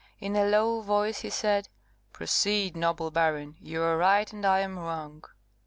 In a low voice he said, "Proceed, noble baron. You are right, and I am wrong."